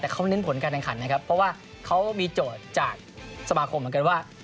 แต่เขาเน้นผลการแข่งขันนะครับเพราะว่าเขามีโจทย์จากสมาคมเหมือนกันว่า